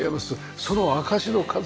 その証しの数々。